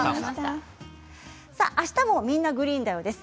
あしたも「みんな！グリーンだよ」です。